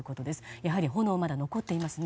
やはり炎、まだ残っていますね。